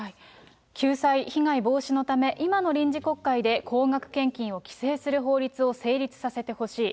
救済、被害防止のため、今の臨時国会で高額献金を規制する法律を成立させてほしい。